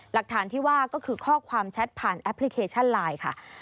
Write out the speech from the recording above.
หลักฐานที่ว่าก็คือข้อความแชทผ่านแอปพลิเคชันไลน์ค่ะ